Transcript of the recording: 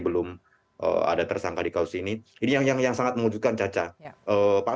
belum ada tersangka di kaos ini ini yang yang sangat mengujudkan caca pak